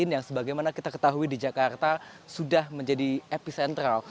yang sebagaimana kita ketahui di jakarta sudah menjadi epicentral